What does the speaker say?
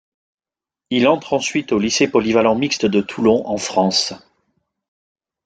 Il entre ensuite au lycée polyvalent mixte de Toulon, en France.